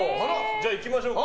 じゃあいきましょうか！